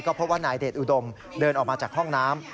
เพราะว่านายเดชอุดมเดินออกมาจากห้องน้ำ